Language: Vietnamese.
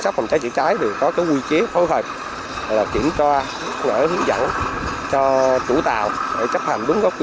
phòng cháy chữa cháy đều có quy chế phối hợp kiểm tra hướng dẫn cho chủ tàu để chấp hành đúng góp quy